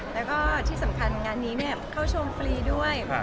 แล้วก็ที่สำคัญงานนี้เข้าชมฟรีด้วย